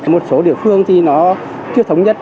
một số địa phương thì nó chưa thống nhất